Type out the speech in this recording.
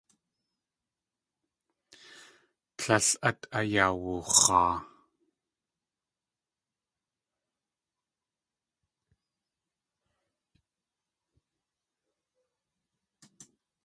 Tlél át ayawux̲aa.